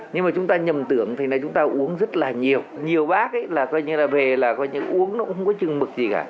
nhưng mà chúng ta nhầm tưởng thì chúng ta uống rất là nhiều nhiều bác ấy là coi như là về là coi như uống nó cũng không có chừng mực gì cả